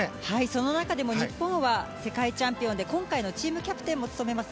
その中でも日本は世界チャンピオンで今回のチームキャプテンも務めます